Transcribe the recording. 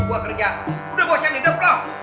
gua kerjaan udah bosen hidup loh